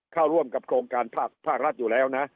เข้าร่วมกับโครงการภาครัฐอยู่แล้วนะ